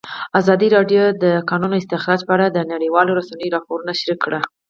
ازادي راډیو د د کانونو استخراج په اړه د نړیوالو رسنیو راپورونه شریک کړي.